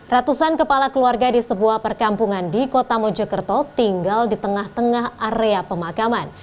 ratusan kepala keluarga di sebuah perkampungan di kota mojokerto tinggal di tengah tengah area pemakaman